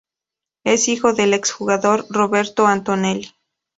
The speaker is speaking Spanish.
Es hijo del ex jugador Roberto Antonelli.